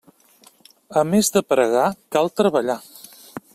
A més de pregar cal treballar.